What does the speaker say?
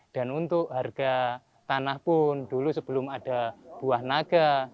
dan untuk harga tanah pun dulu sebelum ada buah naga